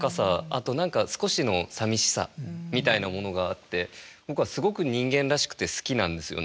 あと何か少しのさみしさみたいなものがあって僕はすごく人間らしくて好きなんですよね。